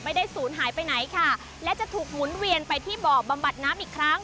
ศูนย์หายไปไหนค่ะและจะถูกหมุนเวียนไปที่บ่อบำบัดน้ำอีกครั้ง